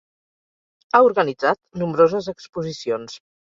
Ha organitzat nombroses exposicions.